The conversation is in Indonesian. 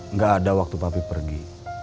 nggak ada waktu papi pergi